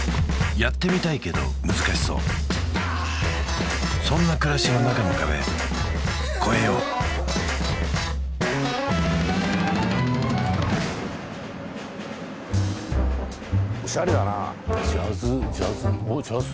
やってみたいけど難しそうそんな暮らしの中の壁越えようオシャレだなあ「Ｊａｚｚ」おっＪａｚｚ？